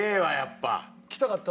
来たかった？